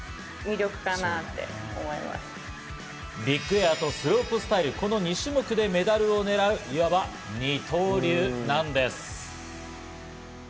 ビッグエアとスロープスタイル、この２種目でメダルをねらう、いわば二刀流なんです。